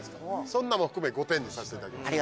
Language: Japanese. そんなも含め５点にさせていただきます